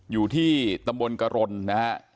อยู่ที่ตำบลกะลนนะครับ